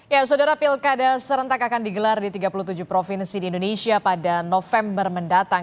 ya saudara pilkada serentak akan digelar di tiga puluh tujuh provinsi di indonesia pada november mendatang